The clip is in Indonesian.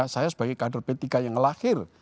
saya sebagai kader p tiga yang lahir